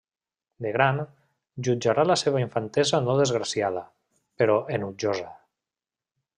De gran, jutjarà la seva infantesa no desgraciada, però enutjosa.